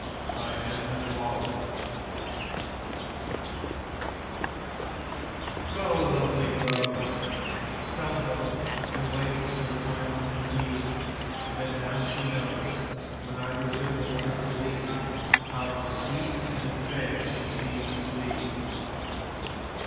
Go, lovely Rose GO, lovely Rose— Tell her that wastes her time and me, That now she knows, When I resemble her to thee, How sweet and fair she seems to be.